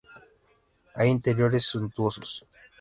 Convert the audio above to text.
Hay interiores suntuosos.